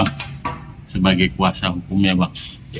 saya sebagai kuasa hukumnya pak